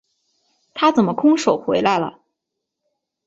他怎么空手回来了？